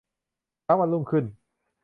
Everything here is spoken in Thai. เช้าวันรุ่งขึ้น